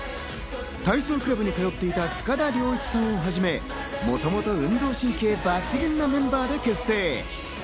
体操クラブに通っていた塚田僚一さんをはじめ、もともと運動神経抜群なメンバーで結成。